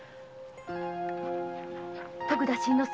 徳田新之助